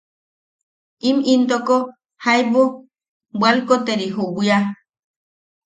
Im intoko jaibu bwalkoteri ju bwia.